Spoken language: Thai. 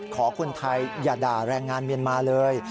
คนไทยอย่าด่าแรงงานเมียนมาเลย